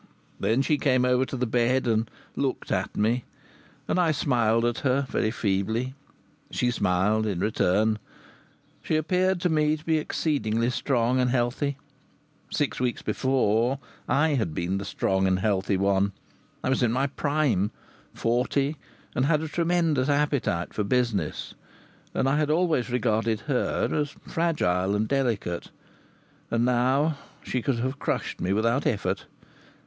Then she came over to the bed, and looked at me, and I smiled at her, very feebly. She smiled in return. She appeared to me to be exceedingly strong and healthy. Six weeks before I had been the strong and healthy one I was in my prime, forty, and had a tremendous appetite for business and I had always regarded her as fragile and delicate; and now she could have crushed me without effort!